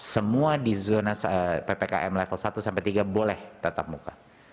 semua di zona ppkm level satu sampai tiga boleh tetap muka